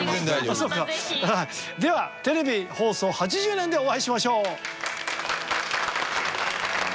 ではテレビ放送８０年でお会いしましょう！